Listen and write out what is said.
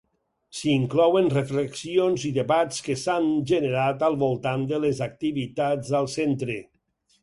S'hi inclouen reflexions i debats que s'han generat al voltant de les activitats al centre.